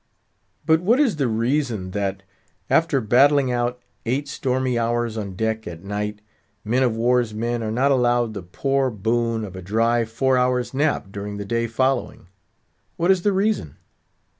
But what is the reason that, after battling out eight stormy hours on deck at, night, men of war's men are not allowed the poor boon of a dry four hours' nap during the day following? What is the reason?